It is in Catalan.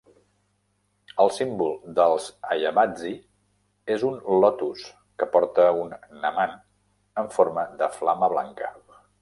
El símbol dels Ayyavazhi és un lotus que porta un "Namam" en forma de flama blanca.